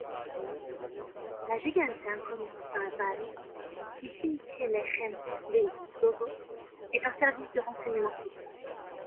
L'Agjencia Kosovare e Inteligjencës du Kosovo est un service de renseignement civil.